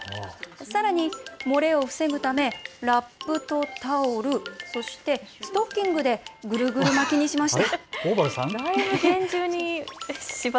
さらに漏れを防ぐためラップとタオル、そしてストッキングでぐるぐる巻きにしました。